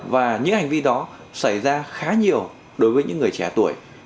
và những hành vi đó xảy ra khá nhiều đối với những người trẻ tuổi